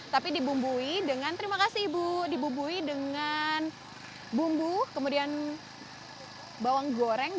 tapi dibumbui dengan terima kasih ibu dibubui dengan bumbu kemudian bawang goreng